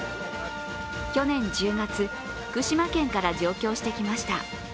去年１０月、福島県から上京してきました。